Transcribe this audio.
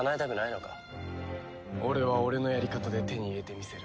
俺は俺のやり方で手に入れてみせる。